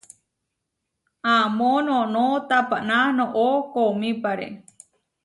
Amó noʼnó tapaná noʼó koomípare.